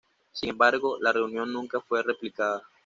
Sin embargo, la reunión nunca fue replicada.